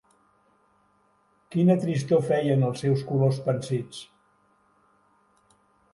Quina tristor feien els seus colors pansits